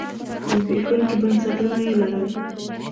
زبېښونکي بنسټونه یې لرل.